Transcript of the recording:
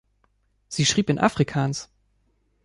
Sie schrieb in Afrikaans.